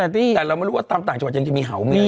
แต่เราไม่รู้ว่าตามต่างจังหวัดยังจะมีเห่ามี